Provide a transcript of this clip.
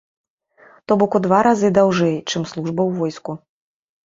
То бок у два разы даўжэй, чым служба ў войску.